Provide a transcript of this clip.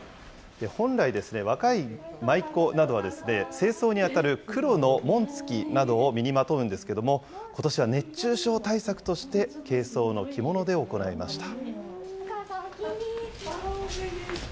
本来、若い舞妓などは正装に当たる黒の紋付きなどを身にまとうんですけれども、ことしは熱中症対策として、軽装の着物で行いました。